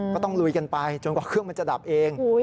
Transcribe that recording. ต้องลุยกันไปจนกว่าเครื่องมันจะดับเอง